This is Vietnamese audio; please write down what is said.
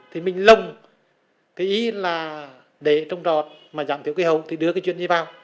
thì mình lông cái ý là để trông trọt mà giảm thiểu khí hậu thì đưa cái chuyện gì vào